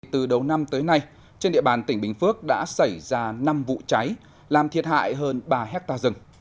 từ đầu năm tới nay trên địa bàn tỉnh bình phước đã xảy ra năm vụ cháy làm thiệt hại hơn ba hectare rừng